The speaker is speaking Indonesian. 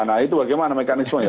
nah itu bagaimana mekanisme ya